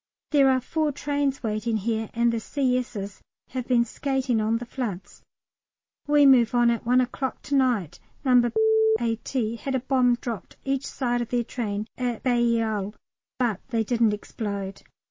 There are four trains waiting here, and the C.S.'s have been skating on the floods. We move on at 1 o'clock to night. No. A.T. had a bomb dropped each side of their train at Bailleul, but they didn't explode.